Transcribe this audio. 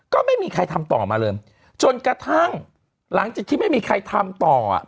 ก็ไม่มีใครทำต่อมาเลยจนกระทั่งหลังจากที่ไม่มีใครทำต่ออ่ะ